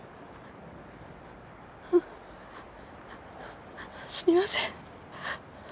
あすみません。